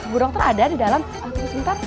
bu dr ada di dalam aku nunggu sebentar